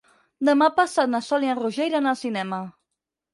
Demà passat na Sol i en Roger iran al cinema.